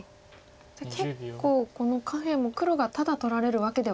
じゃあ結構この下辺も黒がただ取られるわけではない。